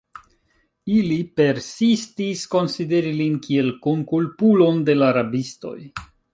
Ili persistis konsideri lin kiel kunkulpulon de la rabistoj.